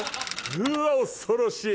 うわっ恐ろしい。